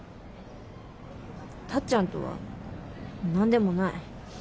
タッちゃんとは何でもない。